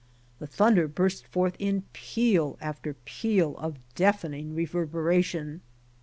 The thunder burst forth in peal after peal of deafening reverberation.